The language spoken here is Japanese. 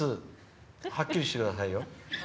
はっきりしてくださいよ。